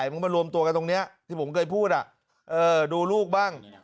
มันก็มารวมตัวกันตรงเนี้ยที่ผมเคยพูดอ่ะเออดูลูกบ้าง